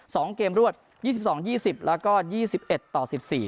สองเกมรวดยี่สิบสองยี่สิบแล้วก็ยี่สิบเอ็ดต่อสิบสี่